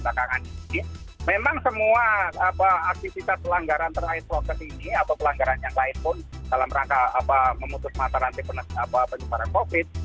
memang semua aktivitas pelanggaran terkait proses ini atau pelanggaran yang lain pun dalam rangka memutus mata rantai penyebaran covid